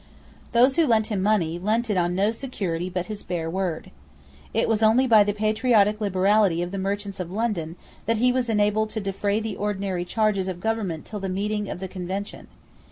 Those who lent him money lent it on no security but his bare word. It was only by the patriotic liberality of the merchants of London that he was enabled to defray the ordinary charges of government till the meeting of the Convention.